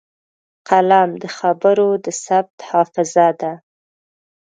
قلم د خبرو د ثبت حافظه ده